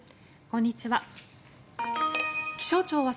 こんにちは。